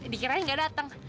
dikirain gak dateng